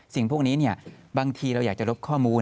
สิ่งพวกนี้บางทีเราอยากจะลบข้อมูล